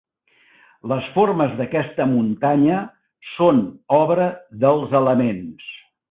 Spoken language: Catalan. Les formes d'aquesta muntanya són obra dels elements.